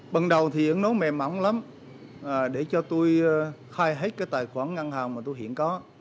bần đầu thì ứng nốt mềm mỏng lắm để cho tôi khai hết cái tài khoản ngân hàng mà tôi hiện có